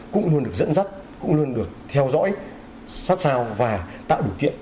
cũng luôn được dẫn dắt cũng luôn được theo dõi sát sao và tạo điều kiện